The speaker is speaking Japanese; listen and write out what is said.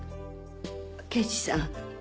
刑事さん